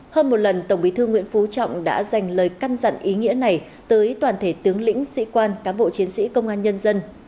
hơn một lần tổng bí thư nguyễn phú trọng đã dành lời căn dặn ý nghĩa này tới toàn thể tướng lĩnh sĩ quan cán bộ chiến sĩ công an nhân dân